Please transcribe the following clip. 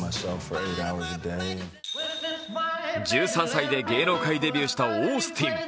１３歳で芸能界デビューしたオースティン。